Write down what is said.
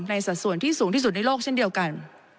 สัดส่วนที่สูงที่สุดในโลกเช่นเดียวกัน